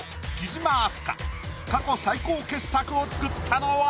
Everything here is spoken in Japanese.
過去最高傑作を作ったのは？